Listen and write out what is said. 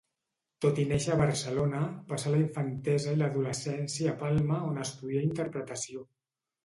Tot i néixer a Barcelona, passà la infantesa i l'adolescència a Palma on estudià interpretació.